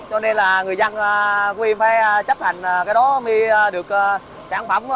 cho nên là người dân của mình phải chấp hành cái đó mới được sản phẩm